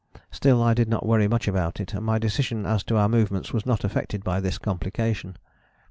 Still I did not worry much about it, and my decision as to our movements was not affected by this complication.